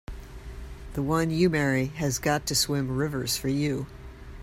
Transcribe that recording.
The one you marry has got to swim rivers for you!